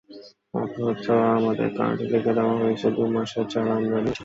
অথচ আমাদের কার্ডে লিখে দেওয়া হয়েছে দুই মাসের চাল আমরা নিয়েছি।